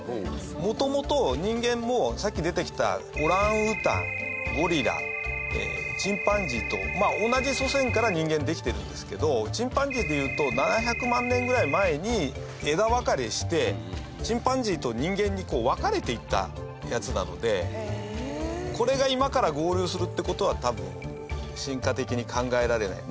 もともと、人間もさっき出てきたオランウータン、ゴリラチンパンジーと同じ祖先から人間できてるんですけどチンパンジーでいうと７００万年ぐらい前に枝分かれしてチンパンジーと人間に分かれていったやつなのでこれが今から合流するって事は多分、進化的に考えられない。